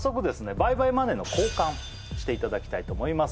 倍買マネーの交換していただきたいと思います